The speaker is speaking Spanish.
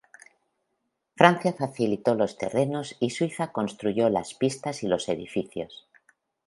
Francia facilitó los terrenos y Suiza construyó las pistas y los edificios.